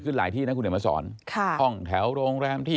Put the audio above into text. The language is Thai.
หลายที่นะคุณเดี๋ยวมาสอนค่ะห้องแถวโรงแรมที่